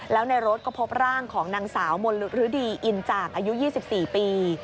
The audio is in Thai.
แล้วในรถก็พบร่างของนางสาวมนฤดีอินจากอายุ๒๔ปี